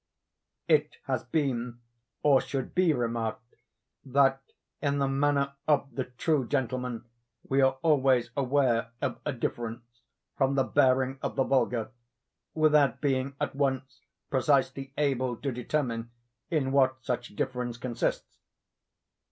'" It has been, or should be remarked, that, in the manner of the true gentleman, we are always aware of a difference from the bearing of the vulgar, without being at once precisely able to determine in what such difference consists.